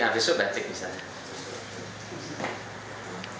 abis itu batik misalnya